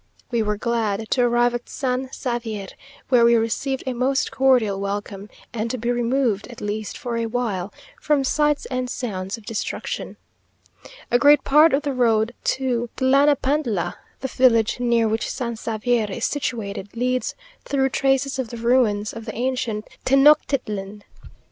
We were glad to arrive at San Xavier, where we received a most cordial welcome, and to be removed, at least for a while, from sights and sounds of destruction. A great part of the road to Tlanapantla, the village near which San Xavier is situated, leads through traces of the ruins of the ancient Tenochtitlan.